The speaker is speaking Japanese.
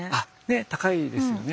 ね高いですよね。